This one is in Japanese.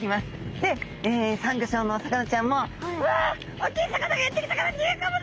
でサンギョ礁のお魚ちゃんも「うわおっきい魚がやって来たから逃げ込むぞ！」